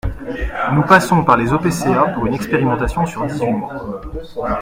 Nous passons par les OPCA pour une expérimentation sur dix-huit mois.